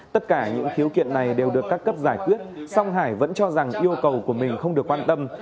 tất cả những khiếu kiện này đều được các cấp giải quyết song hải vẫn cho rằng yêu cầu của mình không được quan tâm